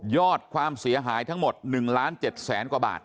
ความเสียหายทั้งหมด๑ล้าน๗แสนกว่าบาท